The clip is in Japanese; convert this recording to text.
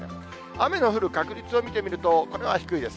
雨の降る確率を見てみると、これは低いです。